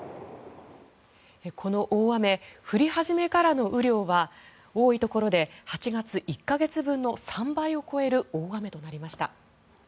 この大雨降り始めからの雨量は多いところで８月１か月分の３倍を超える大雨となりました。